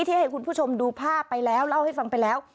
ให้คุณผู้ชมดูภาพไปแล้วเล่าให้ฟังไปแล้ว